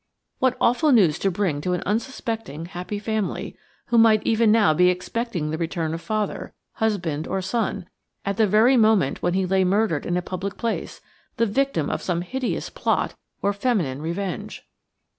What awful news to bring to an unsuspecting, happy family, who might even now be expecting the return of father, husband, or son, at the very moment when he lay murdered in a public place, the victim of some hideous plot or feminine revenge!